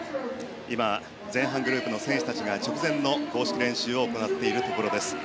今、前半グループの選手たちが直前の公式練習を行っているところです。